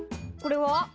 これは？